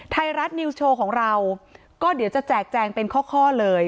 ไทยรัฐนิวส์โชว์ของเราก็เดี๋ยวจะแจกแจงเป็นข้อเลย